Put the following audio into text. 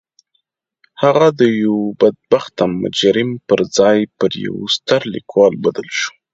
هغه د یوه بدبخته مجرم پر ځای پر یوه ستر لیکوال بدل شو